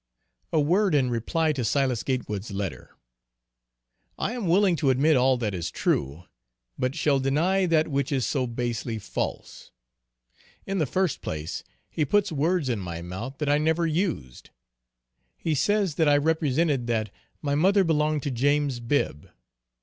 A word in reply to Silas Gatewood's letter. I am willing to admit all that is true, but shall deny that which is so basely false. In the first place, he puts words in my mouth that I never used. He says that I represented that "my mother belonged to James Bibb."